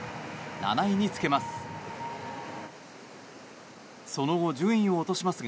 ７位につけます。